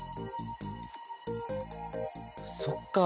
そっか